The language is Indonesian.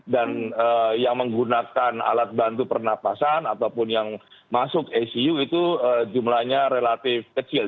dan yang menggunakan alat bantu pernapasan ataupun yang masuk ecu itu jumlahnya relatif kecil